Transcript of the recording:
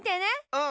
うん。